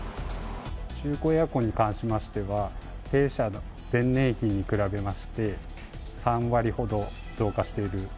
中古エアコンに関しましては、弊社の前年比に比べまして、３割ほど増加している。